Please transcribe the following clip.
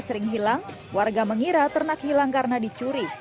sering hilang warga mengira ternak hilang karena dicuri